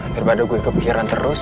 terpada gue kepikiran terus